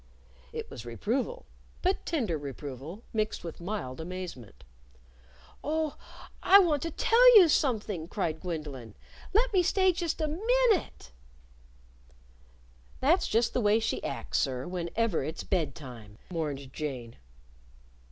It was reproval; but tender reproval, mixed with mild amazement. "Oh, I want to tell you something," cried Gwendolyn. "Let me stay just a minute." "That's just the way she acts, sir, whenever it's bed time," mourned Jane.